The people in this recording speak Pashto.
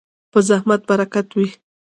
په زحمت برکت وي.